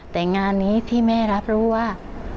แต่งานนี้ที่แม่รับรู้ว่า